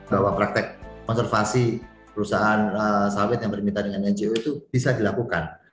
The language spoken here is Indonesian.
bahwa praktek konservasi perusahaan sawit yang bermita dengan ngo itu bisa dilakukan